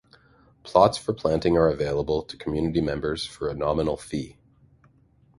Plots for planting are available to community members for a nominal fee.